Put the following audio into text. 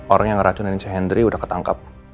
orang yang ngeracunin si henry udah ketangkap